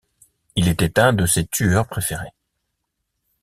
Il était un de ses tueurs préférés.